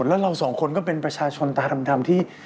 แล้วเราสองคนก็เป็นประชาชนตาดำที่